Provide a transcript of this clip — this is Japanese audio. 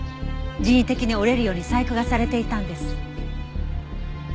人為的に折れるように細工がされていたんです。